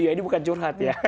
ya ini bukan curhat ya